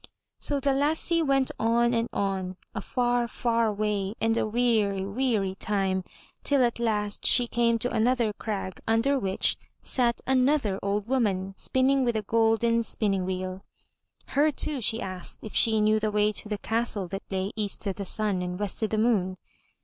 So the lassie went on and on, a far, far way and a weary, weary time till at last she came to another crag under which sat another old woman spinning with a golden spinning wheel. Her too she asked if she knew the way to the castle that lay EAST O' THE SUN AND WEST O' THE MOON.